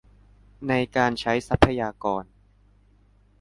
ในการใช้ทรัพยากร